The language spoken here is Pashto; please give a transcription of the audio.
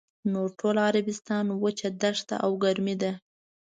نور ټول عربستان وچه دښته او ګرمي ده.